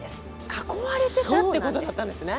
囲われてたってことだったんですね。